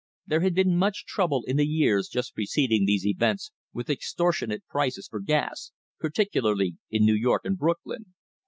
There had been much trouble in the years just preceding these events with extortionate prices for gas particularly in New York and Brooklyn.